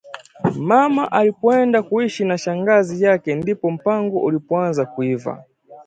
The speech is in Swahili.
Mama alipoenda kuishi na shangazi yake, ndipo mpango ulipoanza kuiva